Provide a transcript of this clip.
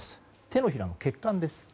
手のひらの血管です。